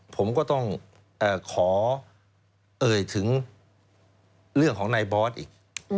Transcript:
ผมก็ต้องขอเอ่ยถึงเรื่องของนายบอสอีก